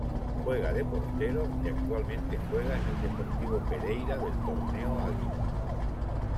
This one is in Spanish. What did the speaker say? Juega de portero y actualmente juega en el Deportivo Pereira del Torneo Águila.